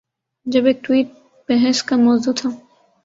جب ایک ٹویٹ بحث کا مو ضوع تھا۔